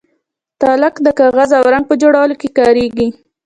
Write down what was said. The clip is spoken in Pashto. تالک د کاغذ او رنګ په جوړولو کې کاریږي.